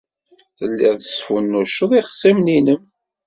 Telliḍ tesfunnuceḍ ixṣimen-nnem.